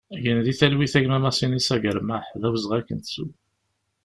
Gen di talwit a gma Masinisa Germaḥ, d awezɣi ad k-nettu!